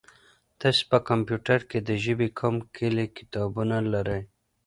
تاسي په کمپیوټر کي د ژبې کوم کلي کتابونه لرئ؟